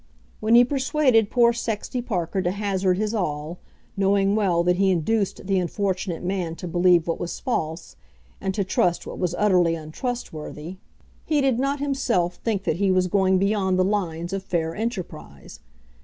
When he persuaded poor Sexty Parker to hazard his all, knowing well that he induced the unfortunate man to believe what was false, and to trust what was utterly untrustworthy, he did not himself think that he was going beyond the lines of fair enterprise.